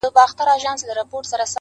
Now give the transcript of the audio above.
یو د بل په وینو سره به کړي لاسونه!!